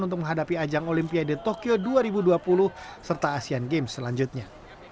untuk menghadapi ajang olimpiade tokyo dua ribu dua puluh serta asean games selanjutnya